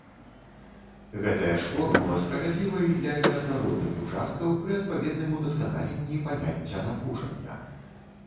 Гэтая ж формула справядліва і для неаднародных участкаў пры адпаведным удасканаленні паняцця напружання.